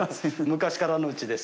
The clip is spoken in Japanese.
昔からのうちです。